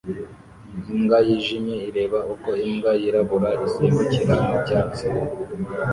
Imbwa yijimye ireba uko imbwa yirabura isimbukira mu byatsi